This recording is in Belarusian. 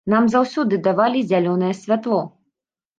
Нам заўсёды давалі зялёнае святло.